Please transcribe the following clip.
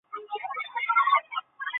可通过候车室转乘反方向列车。